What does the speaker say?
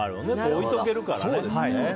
置いておけるから。